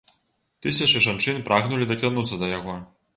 Тысячы жанчын прагнулі дакрануцца да яго.